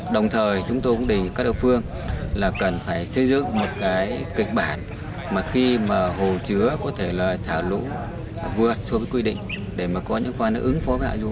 đồng thời chúng tôi cũng đề nghị các địa phương cần phải xây dựng một kịch bản khi hồ chứa có thể trả lũ vượt xuống quy định để có những phương án ứng phó với hạ dụ